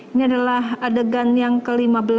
ini adalah adegan yang ke lima belas